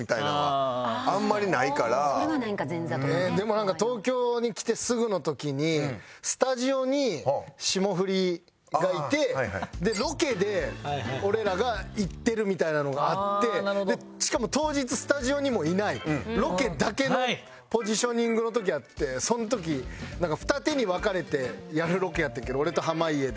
でもなんか東京に来てすぐの時にスタジオに霜降りがいてロケで俺らが行ってるみたいなのがあってしかも当日スタジオにもいないロケだけのポジショニングの時があってその時２手に分かれてやるロケやってんけど俺と濱家で。